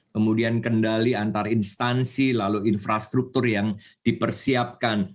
kemudian kendali antar instansi lalu infrastruktur yang dipersiapkan